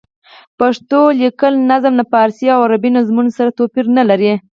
پښتو لیکلی نظم له فارسي او عربي نظمونو سره توپیر نه لري.